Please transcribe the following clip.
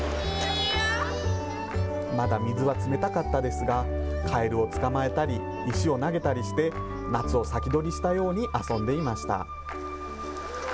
まだ水は冷たかったですが、カエルを捕まえたり、石を投げたりして、夏を先取りしたように遊んでいました。